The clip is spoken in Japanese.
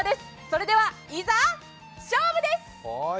それでは、いざ勝負です。